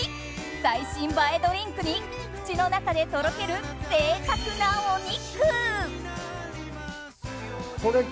最新映えドリンクに口の中でとろける贅沢なお肉！